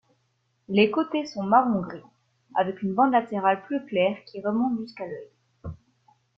Les côtés sont marron-gris, avec une bande latérale plus claire qui remonte jusqu'à l'œil.